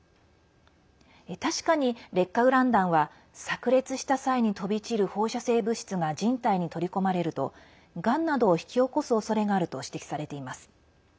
確かに劣化ウラン弾はさく裂した際に飛び散る放射性物質が人体に取り込まれるとがんなどを引き起こすおそれがあると指摘されています。